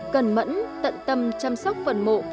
cần mẫn tận tâm chăm sóc vận mộ